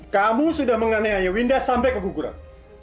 kamu sudah menganiaya winda sampai keguguran